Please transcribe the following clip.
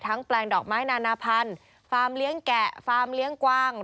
แปลงดอกไม้นานาพันธุ์ฟาร์มเลี้ยงแกะฟาร์มเลี้ยงกวาง